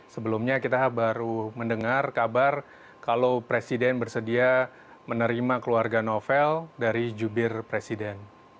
sebelumnya kita baru mendengar kabar kalau presiden bersedia menerima keluarga novel dari jubir presiden